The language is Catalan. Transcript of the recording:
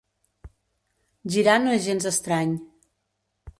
Girar no és gens estrany.